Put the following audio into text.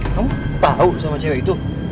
kamu tahu sama cewek itu